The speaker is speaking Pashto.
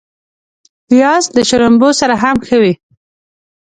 له محصلانو سره بد وضعیت کوي.